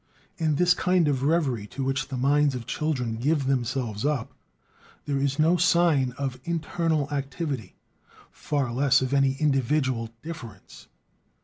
In this kind of reverie to which the minds of children give themselves up, there is no sign of internal activity, far less of any individual difference.